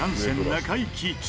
中井貴一